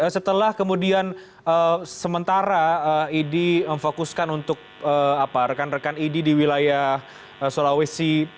setelah kemudian sementara idi memfokuskan untuk rekan rekan idi di wilayah sulawesi